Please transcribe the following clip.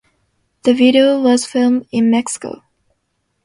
The video was filmed in Mexico.